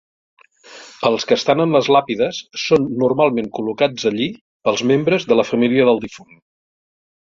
Els que estan en les làpides són normalment col·locats allí pels membres de la família del difunt.